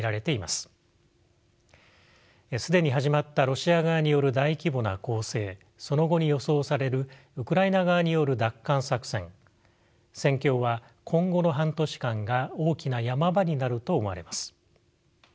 既に始まったロシア側による大規模な攻勢その後に予想されるウクライナ側による奪還作戦戦況は今後の半年間が大きな山場になると思われます。